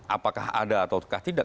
apakah ada atau tidak